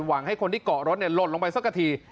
หวังให้คนที่เกาะรถหลดลงไปเสียที